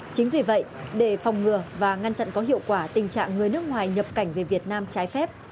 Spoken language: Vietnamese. chính vì vậy để phòng ngừa và ngăn chặn có hiệu quả tình trạng người nước ngoài nhập cảnh về việt nam trái phép